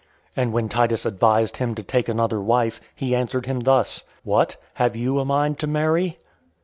And when Titus advised him to take another wife, he answered him thus: "What! have you a mind to marry?"